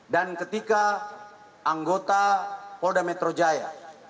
dan ketika anggota polda metro jaya